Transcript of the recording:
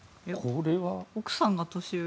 奥さんが年上？